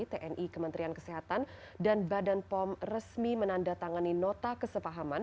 tni kementerian kesehatan dan badan pom resmi menandatangani nota kesepahaman